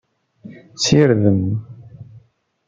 Sirdem!